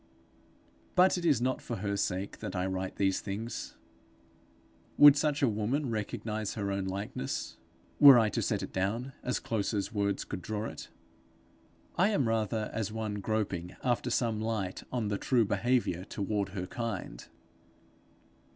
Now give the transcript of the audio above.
But it is not for her sake that I write these things: would such a woman recognize her own likeness, were I to set it down as close as words could draw it? I am rather as one groping after some light on the true behaviour toward her kind.